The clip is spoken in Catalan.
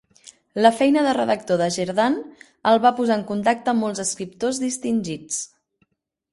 La feina de redactor de Jerdan el va posar en contacte amb molts escriptors distingits.